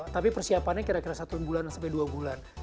tapi persiapannya kira kira satu bulan sampai dua bulan